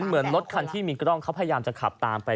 เหมือนรถคันที่มีกล้องเขาพยายามจะขับตามไป